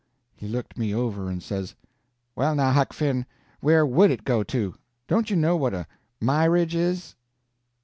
_" He looked me over and says: "Well, now, Huck Finn, where would it go to! Don't you know what a myridge is?"